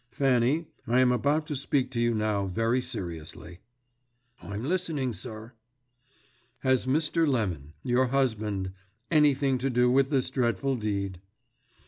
Fanny, I am about to speak to you now very seriously." "I'm listening, sir." "Has Mr. Lemon, your husband, anything to do with this dreadful deed?"